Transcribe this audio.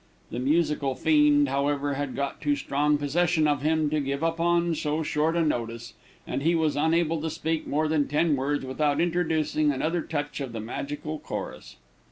The musical fiend, however, had got too strong possession of him to give up on so short a notice, and he was unable to speak more than ten words without introducing another touch of the magical chorus.